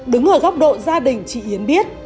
đứng ở góc độ gia đình chị yến biết